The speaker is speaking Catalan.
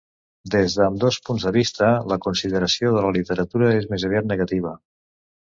Des d'ambdós punts de vista, la consideració de la literatura és més aviat negativa.